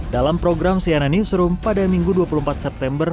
dalam program cnn newsroom pada minggu dua puluh empat september